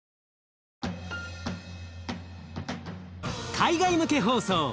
海外向け放送